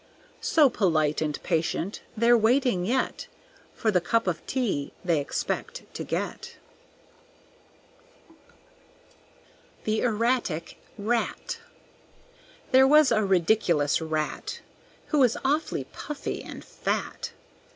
So, polite and patient, they're waiting yet For the cup of tea they expect to get. The Erratic Rat There was a ridiculous Rat Who was awfully puffy and fat.